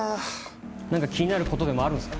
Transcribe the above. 何か気になることでもあるんすか？